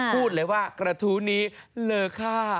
พูดเลยว่ากระทู้นี้เลอค่า